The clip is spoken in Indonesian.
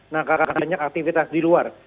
nah karena banyak aktivitas di luar